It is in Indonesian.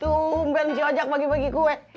tuh brand cio ojak bagi bagi kue